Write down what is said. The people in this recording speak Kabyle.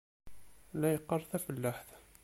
La yeqqar tafellaḥt.